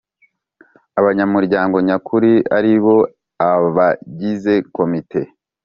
abanyamuryango nyakuri ari bo Abagize Komite